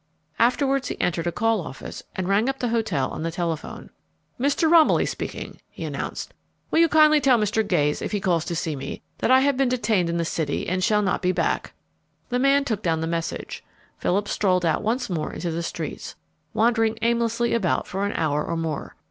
Afterwards he entered a call office and rang up the hotel on the telephone. "Mr. Romilly speaking," he announced. "Will you kindly tell Mr. Gayes, if he calls to see me, that I have been detained in the city, and shall not be back." The man took down the message. Philip strolled out once more into the streets, wandering aimlessly about for an hour or more.